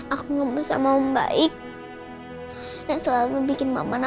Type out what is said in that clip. aku gak bisa mau baik yang selalu bikin mama nangis